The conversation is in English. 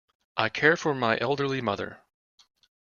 I care for my elderly mother.